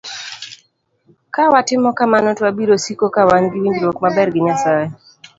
Ka watimo kamano, to wabiro siko ka wan gi winjruok maber gi Nyasaye.